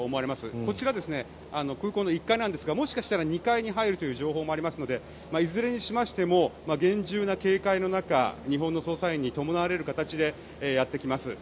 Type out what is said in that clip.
こちら、空港の１階なんですがもしかしたら２階に入るという情報もありますのでいずれにしましても厳重な警戒の中日本の捜査員に伴われる形でやってきます。